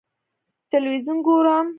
ه تلویزیون ګورم.